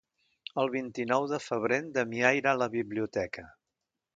El vint-i-nou de febrer en Damià irà a la biblioteca.